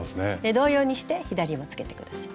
同様にして左もつけて下さい。